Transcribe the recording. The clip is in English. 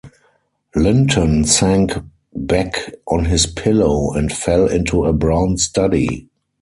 Linton sank back on his pillow and fell into a brown study.